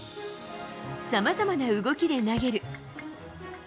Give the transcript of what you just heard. さまざまな動きで投げる。